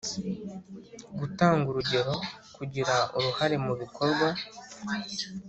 gutanga urugero, kugira uruhare mu bikorwa